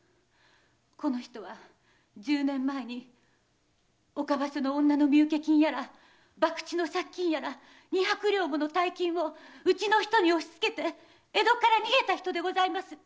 この人は十年前に岡場所の女の身請け金やら博打の借金やら二百両もの大金をうちの人に押しつけて江戸から逃げた人でございます。